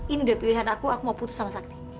ini deh pilihan aku aku mau putus sama sakti